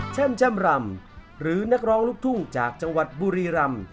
แจ้มรำหรือนักร้องลูกทุ่งจากจังหวัดบุรีรำ